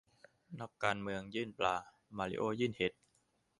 นักการเมืองยื่นปลา มาริโอ้ยื่นเห็ด ?